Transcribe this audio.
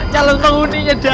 jalur penghuni nya dateng